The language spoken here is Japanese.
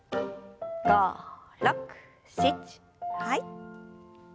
５６７はい。